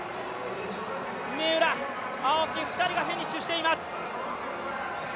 三浦、青木２人がフィニッシュしています。